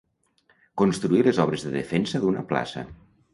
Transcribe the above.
Construir les obres de defensa d'una plaça.